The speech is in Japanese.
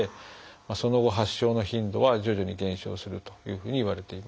その後発症の頻度は徐々に減少するというふうにいわれています。